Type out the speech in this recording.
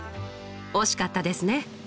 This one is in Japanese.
惜しかったですね！